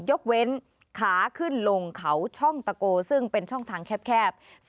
ยกเว้นขาขึ้นลงเขาช่องตะโกซึ่งเป็นช่องทางแคบ